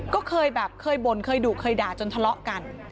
ก็เคยแบบเคยบ่นเคยดุเคยด่าจนทะเลาะกัน